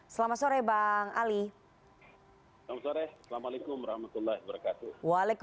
selamat sore bang ali